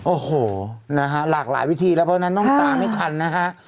โอ้โหนะฮะหลากหลายวิธีแล้วเพราะฉะนั้นต้องตามไม่ทันนะฮะ